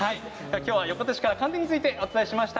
きょうは横手市から寒天についてお伝えしました。